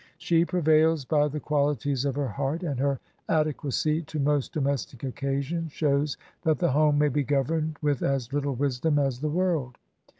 She prevails by the quaUties of her heart, and her adequacy to most domestic occasions shows that the home may be governed with as little wisdom as the world.